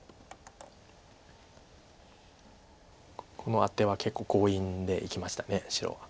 このアテは結構強引にいきました白は。